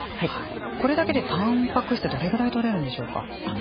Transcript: これだけでたんぱく質どれぐらいとれるんでしょうか。